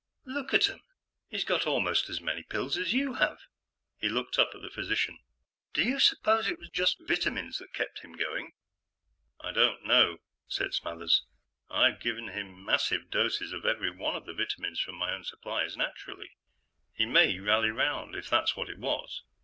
"Look at 'em. He's got almost as many pills as you have." He looked up at the physician. "Do you suppose it was just vitamins that kept him going?" "I don't know," said Smathers. "I've given him massive doses of every one of the vitamins from my own supplies, naturally. He may rally round, if that's what it was.